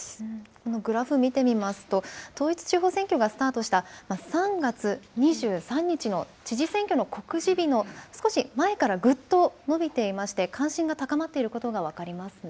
このグラフ見てみますと、統一地方選挙がスタートした３月２３日の知事選挙の告示日の少し前から、ぐっと伸びていまして、関心が高まっていることが分かりますね。